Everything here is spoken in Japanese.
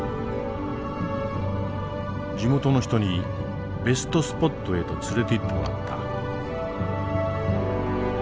地元の人にベストスポットへと連れていってもらった。